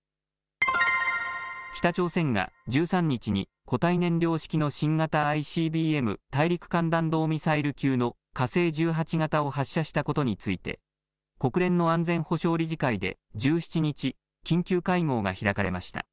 北朝鮮が１３日に、固体燃料式の新型ＩＣＢＭ・大陸間弾道ミサイル級の火星１８型を発射したことについて、国連の安全保障理事会で１７日、緊急会合が開かれました。